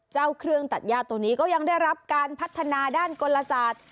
เครื่องตัดย่าตัวนี้ก็ยังได้รับการพัฒนาด้านกลศาสตร์